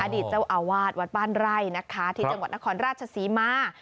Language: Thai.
ดีตเจ้าอาวาสวัดบ้านไร่นะคะที่จังหวัดนครราชศรีมา